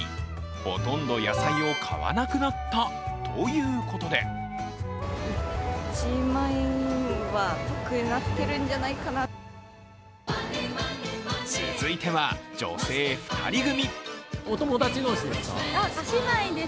ほとんど野菜を買わなくなったということで続いては、女性２人組。